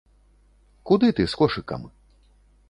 Куды ты з кошыкам?